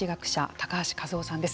高橋和夫さんです。